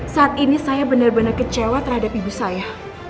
saat ini saya benar benar kecewa terhadap ibu saya